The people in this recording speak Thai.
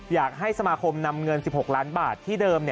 อยากให้สมาคมนำเงิน๑๖ล้านบาทที่เดิม